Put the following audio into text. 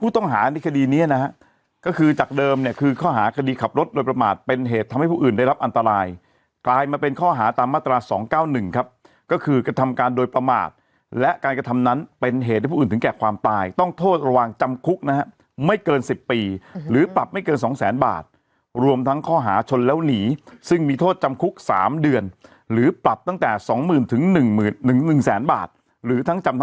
ที่ขับรถโดยประมาทเป็นเหตุทำให้ผู้อื่นได้รับอันตรายกลายมาเป็นข้อหาตามมาตราสองเก้าหนึ่งครับก็คือกระทำการโดยประมาทและการกระทำนั้นเป็นเหตุให้ผู้อื่นถึงแก่ความตายต้องโทษระวังจำคุกนะฮะไม่เกินสิบปีหรือปรับไม่เกินสองแสนบาทรวมทั้งข้อหาชนแล้วหนีซึ่งมีโทษจำคุกสามเดื